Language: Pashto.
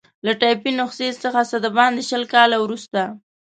له ټایپي نسخې څخه څه باندې شل کاله وروسته.